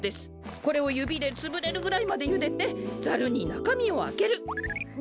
これをゆびでつぶれるぐらいまでゆでてザルになかみをあける。